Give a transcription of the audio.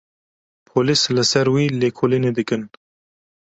Polîs li ser wî lêkolînê dikin.